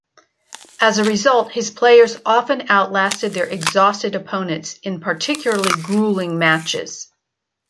As a result, his players often outlasted their exhausted opponents in particularly grueling matches.